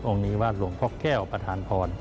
นี้ว่าหลวงพ่อแก้วประธานพร